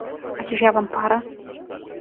А ці ж я вам пара?